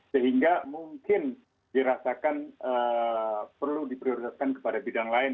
sehingga mungkin dirasakan perlu diprioritaskan kepada bidang lain